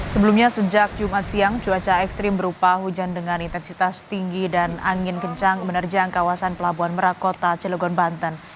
sebelumnya sejak jumat siang cuaca ekstrim berupa hujan dengan intensitas tinggi dan angin kencang menerjang kawasan pelabuhan merak kota cilegon banten